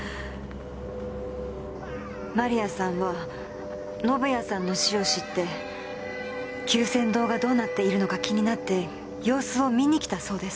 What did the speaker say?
万里亜さんは宣也さんの死を知って久泉堂がどうなっているのか気になって様子を見に来たそうです。